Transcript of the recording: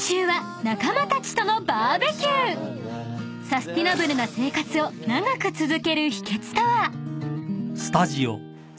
［サスティナブルな生活を長く続ける秘訣とは？］